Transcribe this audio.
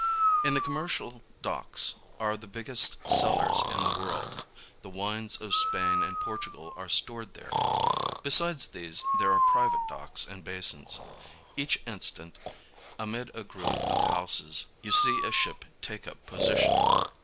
In the Commercial •■'''._ 111' Docks are the biggest cellars iii the world : the wines of Spain and Portugal are stored there. Besides these, there are private docks and basins. Each instant, amid a group of houses, you see a ship take up position.